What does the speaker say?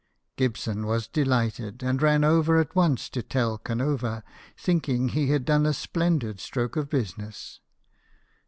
Gibson was delighted, and ran over at once to tell Canova, thinking he had done a splendid stroke of business.